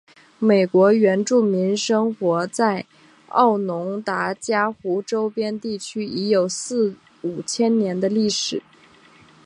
美国原住民生活在奥农达伽湖周边地区已有四五千年的历史。